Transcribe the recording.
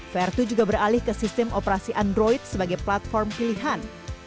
vertu juga beralih ke sistem operasi android sebagai platform pilihan